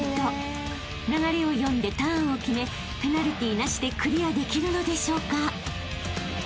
［流れを読んでターンを決めペナルティーなしでクリアできるのでしょうか？］